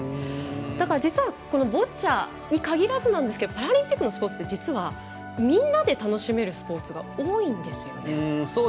だから、実はこのボッチャにかぎらずパラリンピックのスポーツってみんなで楽しめるスポーツが多いんですよね。